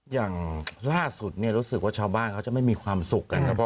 อย่างล่าสุดรู้สึกว่าชาวบ้านเขาจะไม่มีความสุขกันครับ